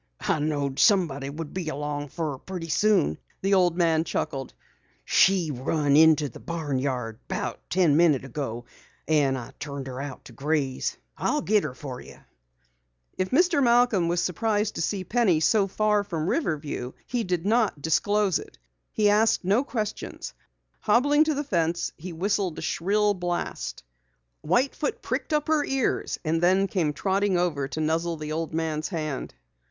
"I knowed somebody would be along for her purty soon," the old man chuckled. "She run into the barn yard 'bout ten minutes ago an' I turned her out to graze. I'll git her for you." If Mr. Malcom was surprised to see Penny so far from Riverview he did not disclose it. He asked no questions. Hobbling to the fence, he whistled a shrill blast. White Foot pricked up her ears and then came trotting over to nuzzle the old man's hand.